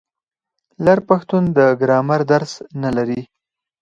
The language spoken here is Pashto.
لر پښتون د ګرامر درس نه لري.